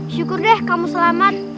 syukur deh kamu selamat